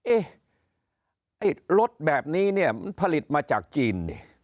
เอ๊ะรถแบบนี้มันผลิตมาจากจีน